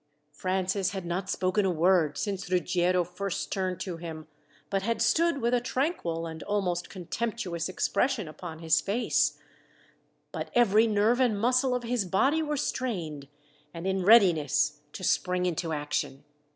Francis had not spoken a word since Ruggiero first turned to him, but had stood with a tranquil and almost contemptuous expression upon his face; but every nerve and muscle of his body were strained, and in readiness to spring into action.